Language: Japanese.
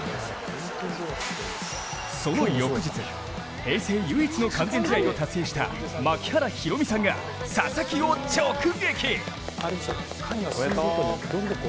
その翌日、平成唯一の完全試合を達成した槙原寛己さんが佐々木を直撃！